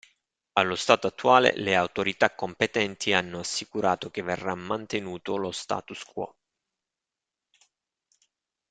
Allo stato attuale le autorità competenti hanno assicurato che verrà mantenuto lo "statu quo".